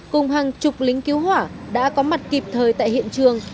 cùng hàng chục lính cứu hỏa đã có mặt kịp thời tại hiện trường